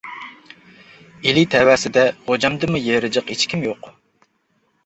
ئىلى تەۋەسىدە غوجامدىنمۇ يېرى جىق ھېچكىم يوق.